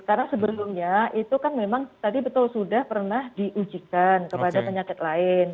karena sebelumnya itu kan memang tadi betul sudah pernah diujikan kepada penyakit lain